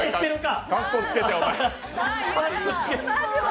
かっこつけて、お前。